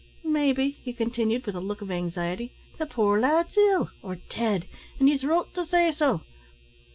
Maybe," he continued, with a look of anxiety, "the poor lad's ill, or dead, an' he's wrote to say so.